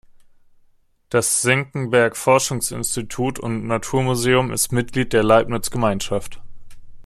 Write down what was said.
Das Senckenberg Forschungsinstitut und Naturmuseum ist Mitglied der Leibniz-Gemeinschaft.